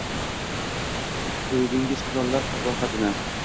Quydingiz qurollar qabohatini